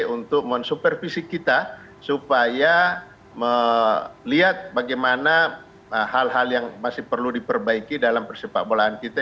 untuk mensupervisi kita supaya melihat bagaimana hal hal yang masih perlu diperbaiki dalam persepak bolaan kita